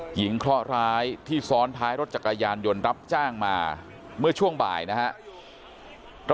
เคราะหร้ายที่ซ้อนท้ายรถจักรยานยนต์รับจ้างมาเมื่อช่วงบ่ายนะครับ